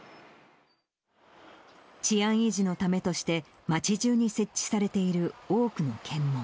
治安維持のためとして、町じゅうに設置されている多くの検問。